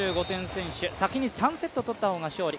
先取先に３セット取った方が勝利。